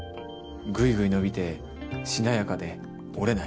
ぐいぐい伸びてしなやかで折れない。